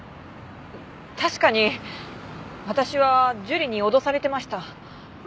確かに私は樹里に脅されていました。